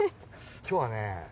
今日はね